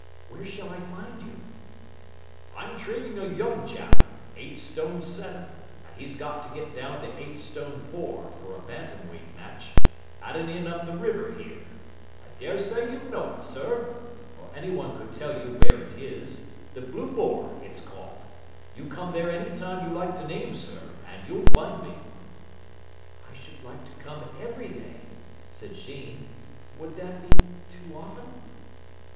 "Where shall I find you?" "I'm training a young chap eight stone seven, and he's got to get down to eight stone four, for a bantam weight match at an inn up the river here. I daresay you know it, sir. Or any one would tell you where it is. The 'Blue Boar,' it's called. You come there any time you like to name, sir, and you'll find me." "I should like to come every day," said Sheen. "Would that be too often?"